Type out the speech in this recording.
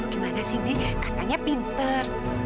gimana sih dia katanya pinter